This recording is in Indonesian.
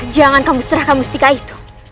jangan kamu serahkan mustika itu